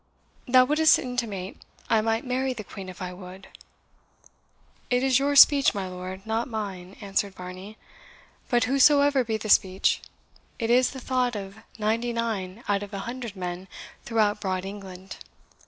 Thou wouldst intimate I might marry the Queen if I would?" "It is your speech, my lord, not mine," answered Varney; "but whosesoever be the speech, it is the thought of ninety nine out of an hundred men throughout broad England."